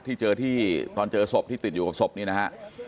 ที่เจอที่ตอนเจอศพที่ติดอยู่กับศพนี่นะฮะ